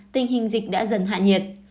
tình hình dịch đã dần hạ nhiệt